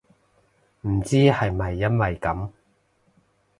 唔知係咪因為噉